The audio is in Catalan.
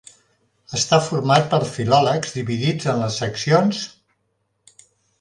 Està format per filòlegs dividits en les seccions: